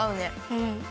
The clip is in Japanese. うん。